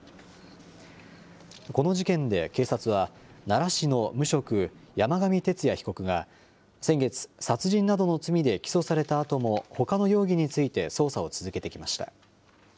この事件で警察は、奈良市の無職、山上徹也被告が、先月、殺人などの罪で起訴されたあともほかの容疑について捜査を続けてきました。